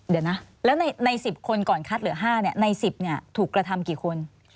เดี๋ยวนะแล้วใน๑๐คนก่อนคัดเหลือ๕ใน๑๐ถูกกระทำกี่คน